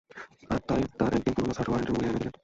আর তা এক দিন পুরানো সার্চ ওয়ারেন্টে মুড়িয়ে এনে দিলেন।